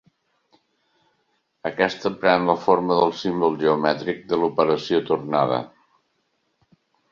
Aquesta pren la forma del símbol geomètric de l'operació tornada.